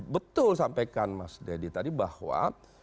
betul sampaikan mas deddy tadi bahwa